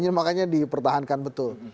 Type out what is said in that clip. nah ini makanya dipertahankan betul